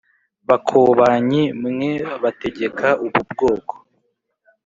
Bakobanyi mwe bategeka ubu bwoko